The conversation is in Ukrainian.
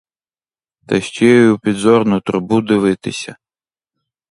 Та ще й у підзорну трубу дивиться.